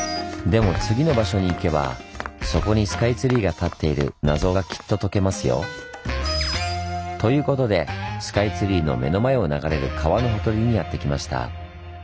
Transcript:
でも次の場所に行けばそこにスカイツリーが立っている謎がきっと解けますよ。ということでスカイツリーの目の前を流れる川のほとりにやって来ました。